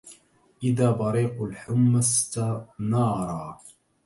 إذا بريق الحمى استنارا